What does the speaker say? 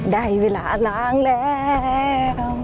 ได้เวลาล้างแล้ว